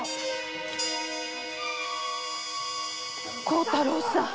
幸太郎さん。